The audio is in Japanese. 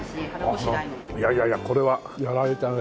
いやいやいやこれはやられたね。